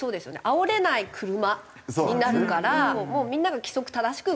あおれない車になるからもうみんなが規則正しく運転する。